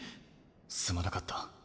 すまなかった。